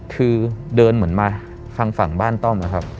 คือเดินเหมือนมาทางฝั่งบ้านต้อมนะครับ